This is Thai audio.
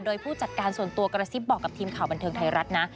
โดยผู้จัดการส่วนตัวกระซิบบอกกับทีมข่าวบันเทิงไทยรัฐนะ